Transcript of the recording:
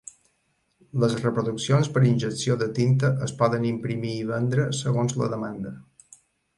Les reproduccions per injecció de tinta es poden imprimir i vendre segons la demanda.